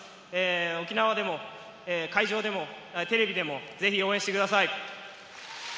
沖縄でも、会場でも、テレビでも、ぜひ応援してください。